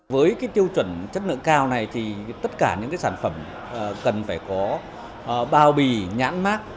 với tiêu chuẩn chất lượng cao này tất cả những sản phẩm cần phải có bao bì nhãn mát